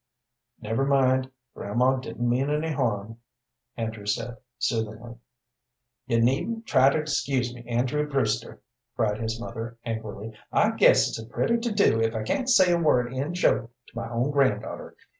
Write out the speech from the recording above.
"Never mind, grandma didn't mean any harm," Andrew said, soothingly. "You needn't try to excuse me, Andrew Brewster," cried his mother, angrily. "I guess it's a pretty to do, if I can't say a word in joke to my own granddaughter.